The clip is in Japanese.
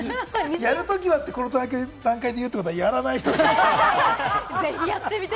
やるときはって、この段階で言うってことは、やらない人ですね。